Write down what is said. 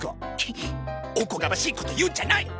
おこがましい事言うんじゃない！